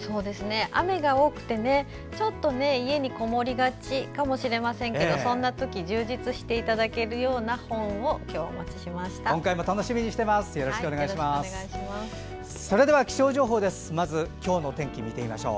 雨が多くてちょっと家にこもりがちかもしれませんけどそんなとき充実していただけるような本を今日はお持ちしました。